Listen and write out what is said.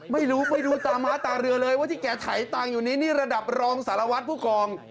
ไม่รู้ไม่รู้ตาม้าตาเรือเลยว่าที่แกถ่ายตังค์อยู่นี้นี่ระดับรองสารวัตรผู้กอง